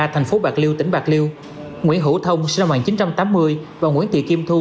thành phố bạc liêu tỉnh bạc liêu nguyễn hữu thông sinh năm một nghìn chín trăm tám mươi và nguyễn thị kim thu